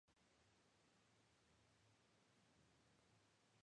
El proceso legal fue llevado con expectación por la prensa de Siracusa.